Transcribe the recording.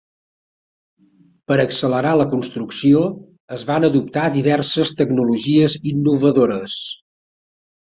Per accelerar la construcció, es van adoptar diverses tecnologies innovadores.